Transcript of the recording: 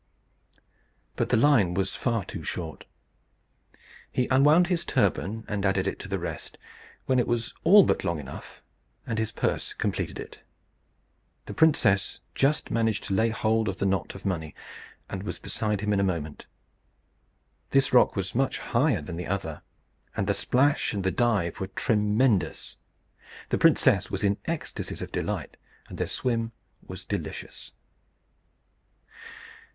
But the line was far too short. He unwound his turban, and added it to the rest, when it was all but long enough; and his purse completed it. The princess just managed to lay hold of the knot of money, and was beside him in a moment. This rock was much higher than the other, and the splash and the dive were tremendous. The princess was in ecstasies of delight, and their swim was delicious.